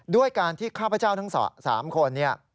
ด้วยการที่ข้าพเจ้าทั้ง๓คนเนี่ย